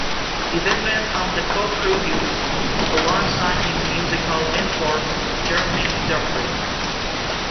He then went on to co-produce alongside his musical mentor Jermaine Dupri.